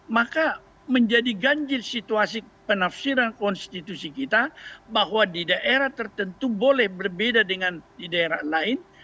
maka menjadi ganjil situasi penafsiran konstitusi kita bahwa di daerah tertentu boleh berbeda dengan di daerah lain